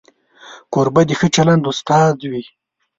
کوربه د ښه چلند استاد وي.